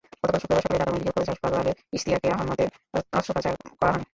গতকাল শুক্রবার সকালে ঢাকা মেডিকেল কলেজ হাসপাতালে ইশতিয়াক আহমেদের অস্ত্রোপচার করা হয়।